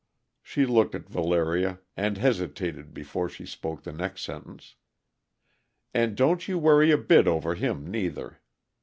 She looked at Valeria and hesitated before she spoke the next sentence. "And don't you worry a bit over him, neither.